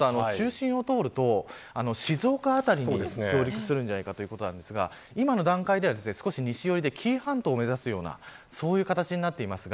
昨日だと、中心を通ると静岡辺りに上陸するのではないかということですが今の段階では少し西寄りで紀伊半島を目指すような形になっています。